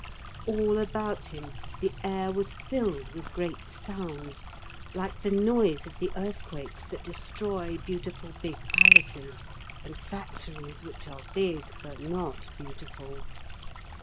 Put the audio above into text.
All about him the air was filled with great sounds, like the noise of the earthquakes that destroy beautiful big palaces, and factories which are big but not beautiful.